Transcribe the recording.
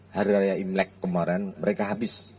hari raya imlek kemarin mereka habis